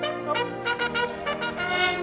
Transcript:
อัศวินธรรมชาติ